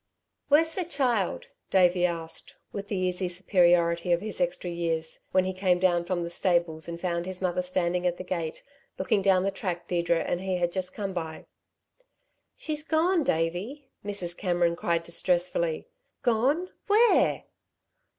"Where's the child?" Davey asked, with the easy superiority of his extra years, when he came down from the stables and found his mother standing at the gate, looking down the track Deirdre and he had just come by. "She's gone, Davey," Mrs. Cameron cried distressfully. "Gone where?"